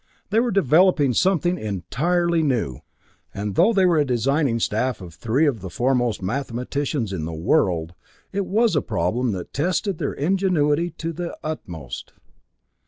They were developing something entirely new, and though they were a designing staff of three of the foremost mathematicians in the world, it was a problem that tested their ingenuity to the utmost.